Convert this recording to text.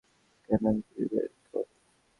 কেন, আমি খুঁজে বের করব।